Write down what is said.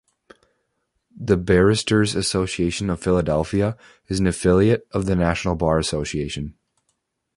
The Barristers' Association of Philadelphia is an affiliate of the National Bar Association.